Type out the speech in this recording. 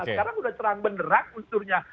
nah sekarang sudah terang beneran unsurnya